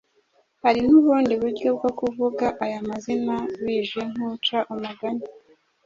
Hari n'ubundi buryo bwo kuvuga aya mazina, bije nk'uca umugani: